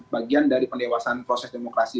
bagian dari pendewasan proses demokrasi